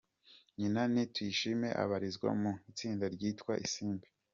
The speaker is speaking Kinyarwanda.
Nyina ni Tuyishime abarizwa mu itsinda ryitwa Isimbi.